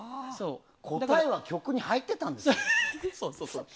答えは曲に入ってたんです。